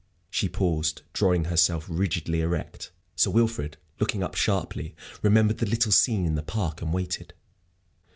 She paused, drawing herself rigidly erect. Sir Wilfrid, looking up sharply, remembered the little scene in the Park, and waited.